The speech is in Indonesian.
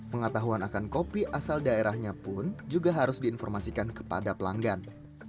pengetahuan akan kopi asal daerahnya pun juga harus diinformasikan kepada pelanggan